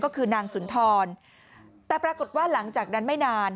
ก็คือนางสุนทรแต่ปรากฏว่าหลังจากนั้นไม่นาน